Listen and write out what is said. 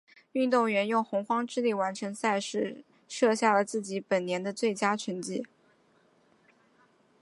运动员用洪荒之力完成赛事，设下了自己本年的最佳成绩。